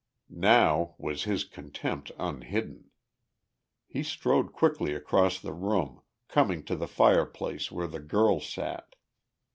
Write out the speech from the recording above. Now was his contempt unhidden. He strode quickly across the room, coming to the fireplace where the girl sat.